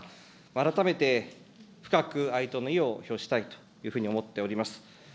改めて深く哀悼の意を表したいというふうに思っております。